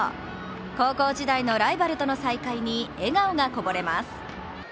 高校時代のライバルとの再会に笑顔がこぼれます。